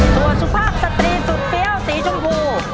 ส่วนสุภาพสตรีสุดเฟี้ยวสีชมพู